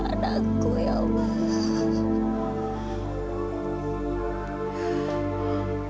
buatkan anakku ya pak